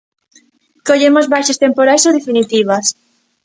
Collemos baixas temporais ou definitivas.